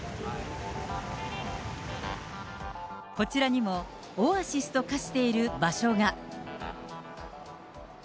こちらにも、オアシスと化している場所が。